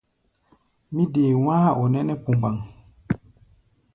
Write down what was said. Mí dee wá̧á̧-ɔ-nɛnɛ́ pumbaŋ.